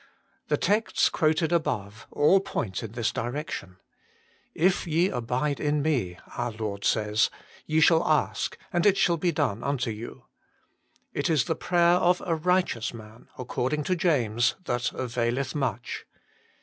The texts quoted above all point in this direc tion. " If ye abide in Me" our Lord says, ye shall ask, and it shall be done unto you. It is the prayer of a righteous man, according to James, that availeth much.